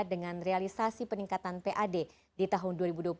dengan realisasi peningkatan pad di tahun dua ribu dua puluh dua ribu dua puluh satu